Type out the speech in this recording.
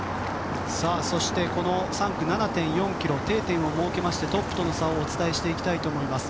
この３区、７．４ｋｍ定点を設けましてトップとの差をお伝えします。